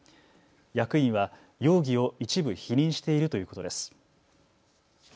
役員は容疑を一部否認しているということです。